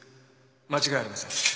間違いありません。